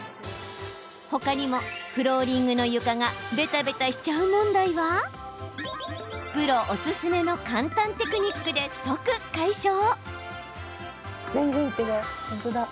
ほかにも、フローリングの床がベタベタしちゃう問題はプロおすすめの簡単テクニックで即解消。